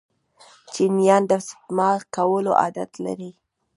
چینایان د سپما کولو عادت لري.